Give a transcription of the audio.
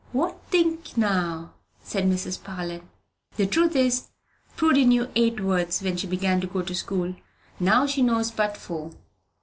"What think now?" said Mrs. Parlin. "The truth is, Prudy knew eight letters when she began to go to school, and now she knows but four."